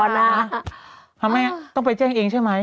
คุณพรรคแม่ต้องไปแจ้งเองใช่ไหม